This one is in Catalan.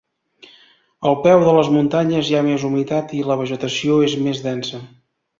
Al peu de les muntanyes hi ha més humitat i la vegetació és més densa.